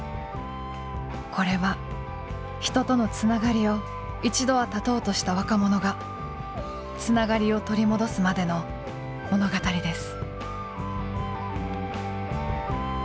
これは人とのつながりを一度は絶とうとした若者がつながりを取り戻すまでの物語です。